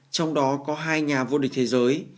trong đó có hai nhà vô địch thế giới